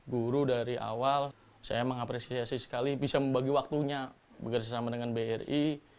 guru dari awal saya mengapresiasi sekali bisa membagi waktunya bekerjasama dengan bri